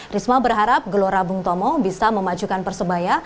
risma berharap gelora bung tomo bisa memajukan persebaya